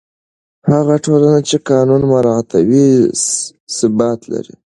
هغه ټولنه چې قانون مراعتوي، ثبات لري.